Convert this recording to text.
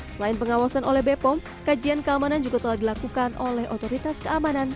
selain pengawasan oleh bepom kajian keamanan juga telah dilakukan oleh otoritas keamanan